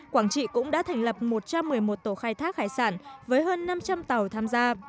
quảng trị cũng đã thành lập một trăm một mươi một tổ khai thác hải sản với hơn năm trăm linh tàu tham gia